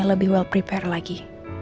jadi lebih well prepared lagi